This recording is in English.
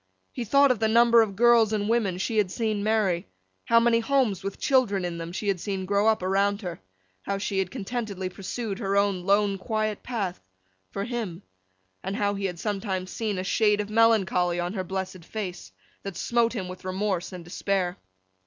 He thought of the number of girls and women she had seen marry, how many homes with children in them she had seen grow up around her, how she had contentedly pursued her own lone quiet path—for him—and how he had sometimes seen a shade of melancholy on her blessed face, that smote him with remorse and despair.